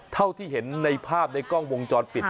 เท่าที่เห็นในภาพในกล้องวงจรปิด